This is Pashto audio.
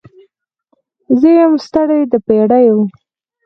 زه یم ستړې د پیړیو